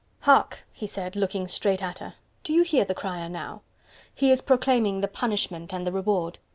"Hark!" he said, looking straight at her. "Do you hear the crier now? He is proclaiming the punishment and the reward.